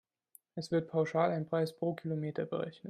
Es wird pauschal ein Preis pro Kilometer berechnet.